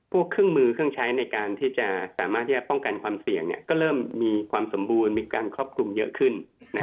เครื่องมือเครื่องใช้ในการที่จะสามารถที่จะป้องกันความเสี่ยงก็เริ่มมีความสมบูรณ์มีการครอบคลุมเยอะขึ้น